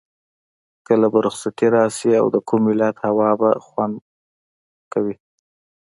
کله به رخصتي راشي او د کوم ولایت هوا به خوند کړم.